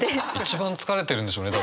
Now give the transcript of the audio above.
一番疲れてるんでしょうね